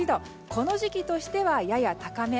この時期としてはやや高め。